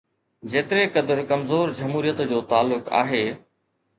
جيتري قدر ڪمزور جمهوريت جو تعلق آهي.